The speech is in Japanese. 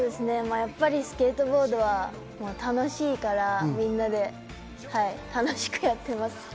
やっぱりスケートボードは楽しいから、みんなで楽しくやっています。